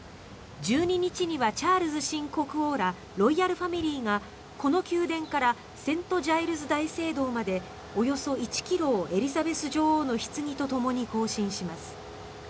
１２日にはチャールズ新国王らロイヤルファミリーがこの宮殿からセント・ジャイルズ大聖堂までおよそ１ｋｍをエリザベス女王のひつぎとともに行進します。